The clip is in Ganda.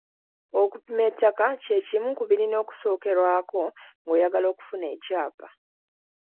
Okupima ettaka kye kimu ku birina okusookerwako ng’oyagala okufuna ekyapa.